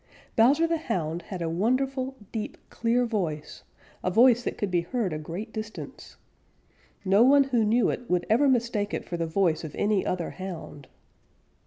Bowser the Hound had a wonderful, deep, clear voice, a voice that could be heard a great distance. No one who knew it would ever mistake it for the voice of any other Hound.